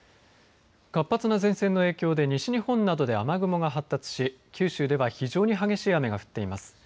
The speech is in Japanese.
活発な前線の影響で、西日本などで雨雲が発達し九州では非常に激しい雨が降っています。